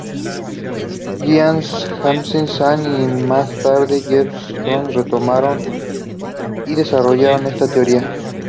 Jean-Baptiste Say y más tarde Joseph Schumpeter retomaron y desarrollaron esta teoría.